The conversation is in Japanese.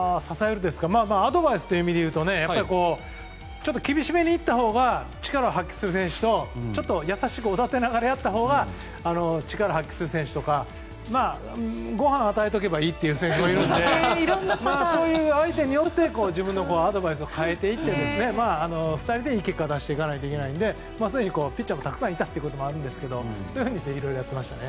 アドバイスという意味でいうと厳しめに言ったほうが力を発揮する選手と優しくおだてながらやったほうが力を発揮する選手とかごはん与えとけばいい選手もいるのでそういう相手によって自分のアドバイスを変えていって２人でいい結果を出していかないといけないのでピッチャーもたくさんいたこともあるんですがそういうふうにいろいろやってました。